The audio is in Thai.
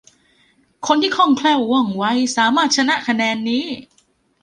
คนที่คล่องแคล่วว่องไวสามารถ ชนะคะแนนนี้